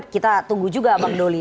kita tunggu juga bang doli